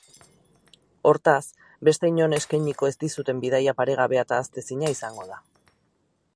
Hortaz, beste inon eskainiko ez dizuten bidaia paregabea eta ahaztezina izango da.